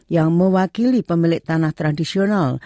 yang mewakili pemilik tanah tradisional